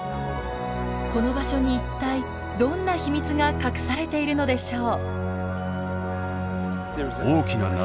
この場所に一体どんな秘密が隠されているのでしょう？